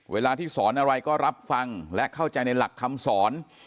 เวลาที่สอนอะไรก็รับฟังและเข้าใจในหลักคำสอน